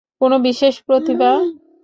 কোনো বিশেষ প্রতিভা?